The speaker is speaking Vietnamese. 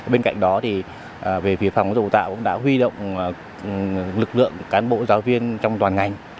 bên cạnh đó thì về việc phòng học dầu tạo cũng đã huy động lực lượng cán bộ giáo viên trong toàn ngành